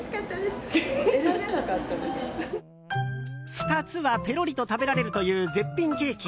２つはぺろりと食べられるという絶品ケーキ。